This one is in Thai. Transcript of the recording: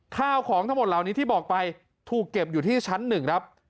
ข้าวของทั้งหมดเหล่านี้ที่บอกไปถูกเก็บอยู่ที่ชั้นหนึ่งครับ